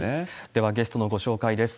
では、ゲストの紹介です。